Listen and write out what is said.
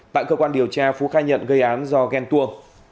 tại cơ quan điều tra phú khai nhận gây án do ghen tua